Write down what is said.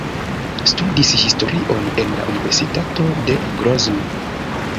Studis historion en la Universitato de Grozno.